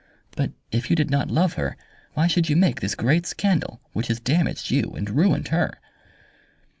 But if you did not love her why should you make this great scandal which has damaged you and ruined her?"